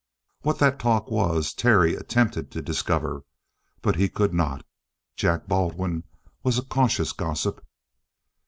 What that talk was Terry attempted to discover, but he could not. Jack Baldwin was a cautious gossip.